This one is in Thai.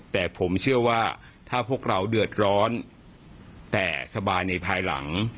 แต่ผมเชื่อว่าถ้าพวกเราเดือดร้อนแต่สบายในภายหลัง